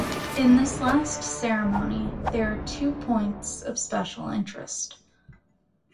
In this last ceremony, there are two points of special interest.